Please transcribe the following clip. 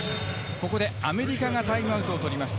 ここでアメリカがタイムアウトを取りました。